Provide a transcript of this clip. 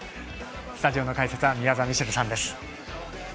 スタジオの解説は宮澤ミシェルさんです。